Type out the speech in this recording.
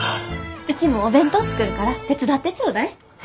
うちもお弁当作るから手伝ってちょうだい。